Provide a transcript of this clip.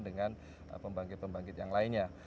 dengan pembangkit pembangkit yang lainnya